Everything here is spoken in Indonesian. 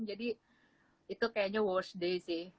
jadi itu kayaknya worst day sih